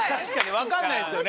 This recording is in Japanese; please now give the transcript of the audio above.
分かんないですよね。